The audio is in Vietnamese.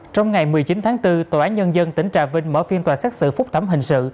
trong ngày một mươi chín tháng bốn tòa án nhân dân tỉnh trà vinh mở phiên tòa xét xử phúc thẩm hình sự